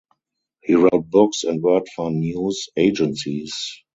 He wrote books and worked for news agencies.